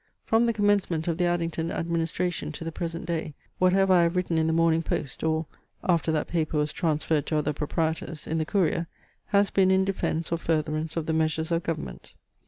From the commencement of the Addington administration to the present day, whatever I have written in THE MORNING POST, or (after that paper was transferred to other proprietors) in THE COURIER, has been in defence or furtherance of the measures of Government.